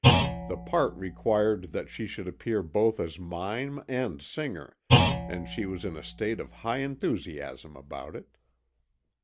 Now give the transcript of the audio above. The part required that she should appear both as mime and singer, and she was in a state of high enthusiasm about it.